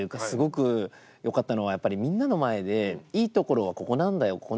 すごく良かったのはやっぱりみんなの前でいいところはここなんだよ